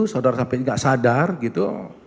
saudara sampai juga sadar gitu